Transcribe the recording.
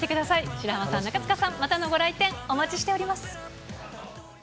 白濱さん、中務さん、またのご来店、お待ちしています。